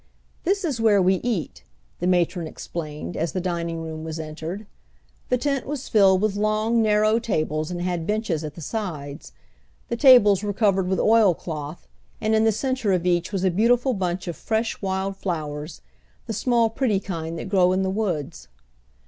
"This is where we eat," the matron explained, as the dining room was entered. The tent was filled with long narrow tables and had benches at the sides. The tables were covered with oilcloth, and in the center of each was a beautiful bunch of fresh wild flowers the small pretty kind that grow in the woods.